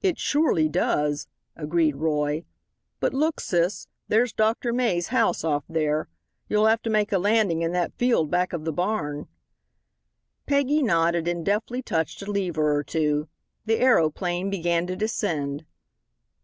"It surely does," agreed Roy, "but look, sis there's Doctor Mays' house off there. You'll have to make a landing in that field back of the barn." Peggy nodded and deftly touched a lever or two. The aeroplane began to descend.